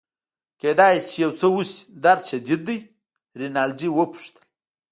کیدای شي چي یو څه وشي، درد شدید دی؟ رینالډي وپوښتل.